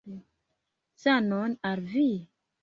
Sanon al vi!